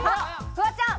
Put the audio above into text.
フワちゃん。